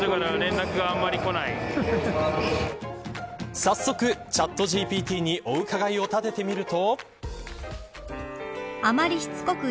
早速、ＣｈａｔＧＰＴにお伺いを立ててみると。